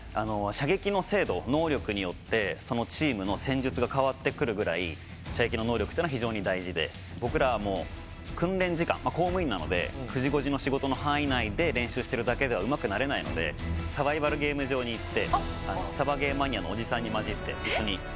射撃の精度能力によってそのチームの戦術が変わってくるぐらい射撃の能力っていうのは非常に大事で僕らも訓練時間公務員なので９時５時の仕事の範囲内で練習してるだけではうまくなれないのでサバイバルゲーム場に行ってサバゲーマニアのおじさんに交じって一緒にやったりとか。